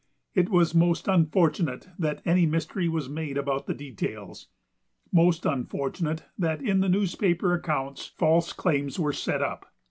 It was most unfortunate that any mystery was made about the details, most unfortunate that in the newspaper accounts false claims were set up.